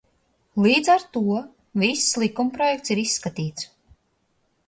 Līdz ar to viss likumprojekts ir izskatīts.